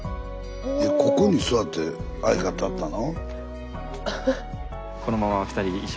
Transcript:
ここに座って愛語ったの？